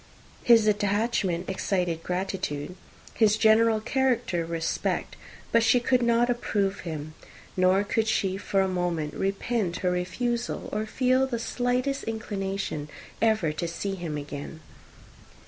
His attachment excited gratitude, his general character respect: but she could not approve him; nor could she for a moment repent her refusal, or feel the slightest inclination ever to see him again.